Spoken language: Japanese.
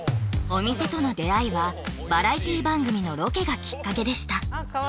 お店との出会いはバラエティー番組のロケがきっかけでしたあっ